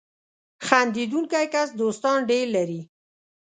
• خندېدونکی کس دوستان ډېر لري.